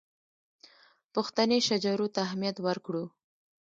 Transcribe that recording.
پښتني شجرو ته اهمیت ورکړو.